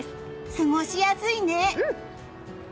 過ごしやすいね！